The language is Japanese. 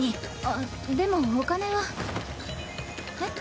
あっでもお金は。えっ？